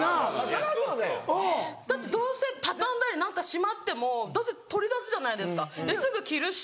・それはそうだよ・だってどうせ畳んだりしまってもどうせ取り出すじゃないですかすぐ着るし。